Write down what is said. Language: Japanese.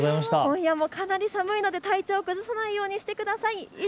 今夜もかなり寒いので体調、崩さないようにしてください。